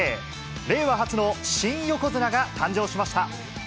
令和初の新横綱が誕生しました。